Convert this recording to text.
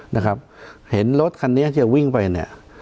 นะครับเห็นรถคันนี้ที่จะวิ่งไปเนี่ย